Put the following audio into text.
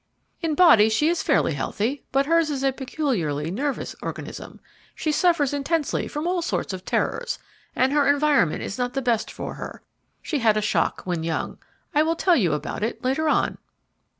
"In body she is fairly healthy, but hers is a peculiarly nervous organism. She suffers intensely from all sorts of terrors, and her environment is not the best for her. She had a shock when young. I will tell you about it later on."